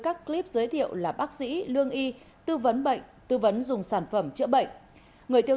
các clip giới thiệu là bác sĩ lương y tư vấn bệnh tư vấn dùng sản phẩm chữa bệnh người tiêu